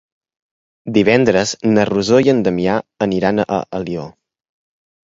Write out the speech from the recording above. Divendres na Rosó i en Damià aniran a Alió.